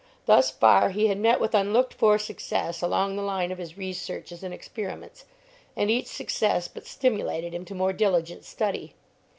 Thus far he had met with unlooked for success along the line of his researches and experiments, and each success but stimulated him to more diligent study.